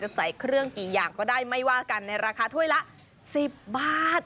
ใส่เครื่องกี่อย่างก็ได้ไม่ว่ากันในราคาถ้วยละ๑๐บาท